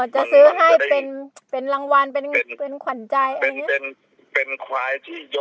อ๋อจะซื้อให้เป็นเป็นรางวัลเป็นเป็นขวัญใจเป็นเป็น